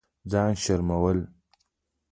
ځان شرمول